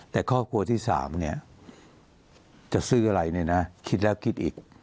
แต่ครอบครัวที่๓เนี่ยจะซื้ออะไรเนี่ยนะคิดแล้วคิดอีก